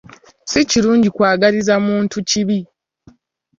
Si kirungi kw'agaliza muntu kibi.